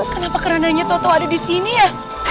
kenapa kerandanya tau tau ada disini ya